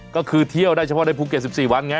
ก็คือเที่ยวได้เฉพาะในภูเก็ต๑๔วันไง